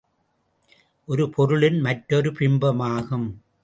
ஒரு பொருளின் மாற்றுரு பிம்பமாகும்.